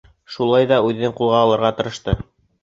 Шулай ҙа үҙен ҡулға алырға тырышты.